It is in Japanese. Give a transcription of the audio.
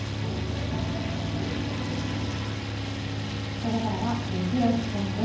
ここからはゲキ推しさんです。